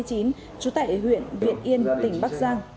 chú tại huyện viện yên tỉnh bắc giang